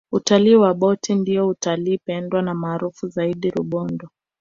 utalii wa boti ndiyo utalii pendwa na maarufu zaidi rubondo